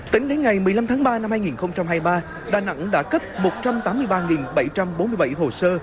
tính đến ngày một mươi năm tháng ba năm hai nghìn hai mươi ba đà nẵng đã cấp một trăm tám mươi ba bảy trăm bốn mươi bảy hồ sơ